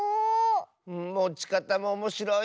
もちかたもおもしろい。